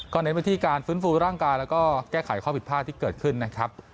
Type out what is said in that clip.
เน้นไปที่การฟื้นฟูร่างกายแล้วก็แก้ไขข้อผิดพลาดที่เกิดขึ้นนะครับ